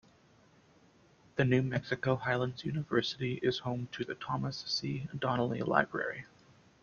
The New Mexico Highlands University is home to the Thomas C. Donnelly Library.